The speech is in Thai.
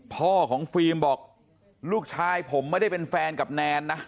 พ่อของฟิล์มบอกลูกชายผมไม่ได้เป็นแฟนกับแนนนะ